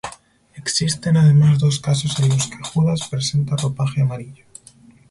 Existen además dos casos en los que Judas presenta ropaje amarillo.